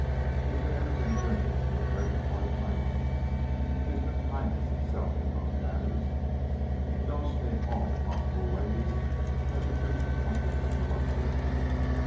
He has been everything to me for the greater part of my life. He has been kindness itself in most matters. He indulged me in all possible ways as to creature comforts and luxuries.